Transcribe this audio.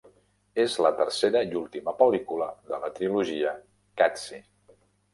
És la tercera i última pel·lícula de la trilogia Qatsi.